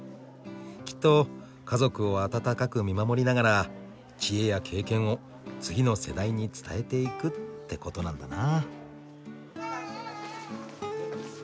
きっと家族を温かく見守りながら知恵や経験を次の世代に伝えていくってことなんだな。